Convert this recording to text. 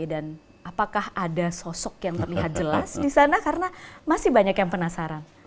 dan apakah ada sosok yang terlihat jelas di sana karena masih banyak yang penasaran